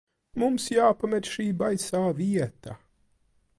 Mums jāpamet šī baisā vieta.